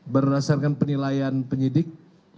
berdasarkan penilaian penyidik